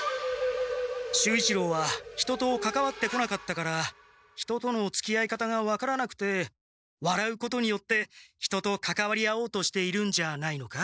守一郎は人とかかわってこなかったから人とのつきあい方が分からなくてわらうことによって人とかかわり合おうとしているんじゃないのか？